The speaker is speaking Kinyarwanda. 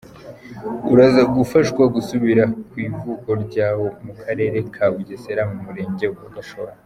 Uraza gufashwa gusubira ku ivuko ryawo mu Karere ka Bugesera mu Murenge wa Gashora.